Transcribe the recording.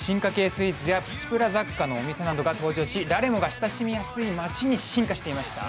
スイーツやプチプラ雑貨のお店が登場し、誰もが親しみやすい街に進化していました。